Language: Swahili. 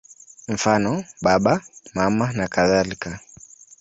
Mfano: Baba, Mama nakadhalika.